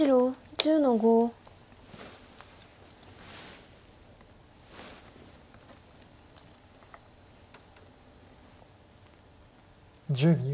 １０秒。